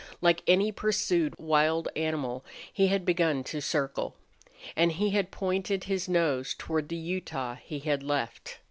Like any pursued wild animal, he had begun to circle. And he had pointed his nose toward the Utah he had left.